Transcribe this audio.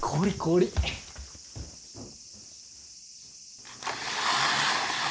うん。